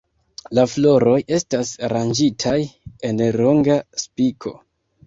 La floroj estas aranĝitaj en longa spiko.